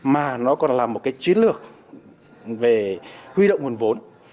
mà nó còn là một cái chiến lược về huy động nguồn vốn